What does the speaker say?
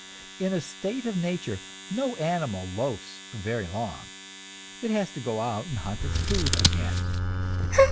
In a state of nature no animal loafs very long; it has to go out and hunt its food again.